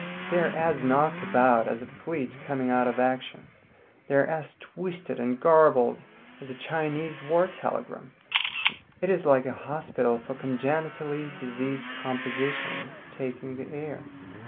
They are as knocked about as a fleet coming out of action, they are as twisted and garbled as a Chinese war telegram; it is like an hospital for congenitally diseased compositions taking the air.